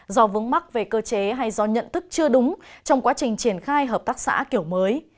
do vướng mắc về cơ chế hay do nhận thức chưa đúng trong quá trình triển khai hợp tác xã kiểu mới